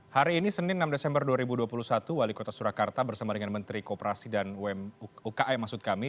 hari ini senin enam desember dua ribu dua puluh satu wali kota surakarta bersama dengan menteri kooperasi dan ukm